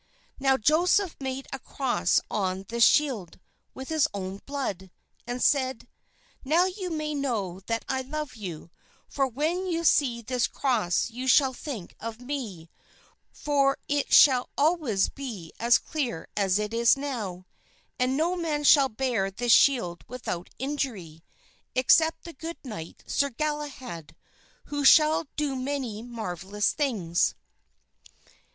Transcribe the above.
"Now Joseph made a cross on this shield with his own blood, and said, 'Now you may know that I love you, for when you see this cross you shall think of me, for it shall always be as clear as it is now; and no man shall bear this shield without injury, except the good knight, Sir Galahad, who shall do many marvelous things.